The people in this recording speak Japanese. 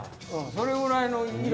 それぐらいの色。